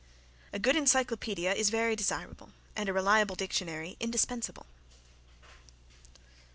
A good encyclopoedia is very desirable and a reliable dictionary indispensable.